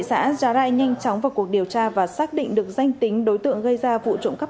xã gia rai nhanh chóng vào cuộc điều tra và xác định được danh tính đối tượng gây ra vụ trộm cắp